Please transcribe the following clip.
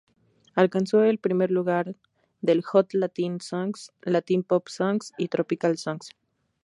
Alcanzó el primer lugar del "Hot Latin Songs", "Latin Pop Songs", y "Tropical Songs".